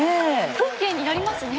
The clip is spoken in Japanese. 風景になりますね。